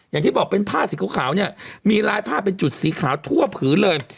อย่างที่บอกเป็นผ้าสีขาวเนี่ยมีลายผ้าเป็นจุดสีขาวทั่วผืนเลย